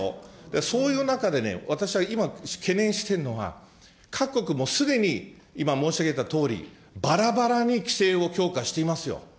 そういう中でね、私は今、懸念しているのは、各国、もうすでに、今申し上げたとおり、ばらばらに規制を強化していますよ。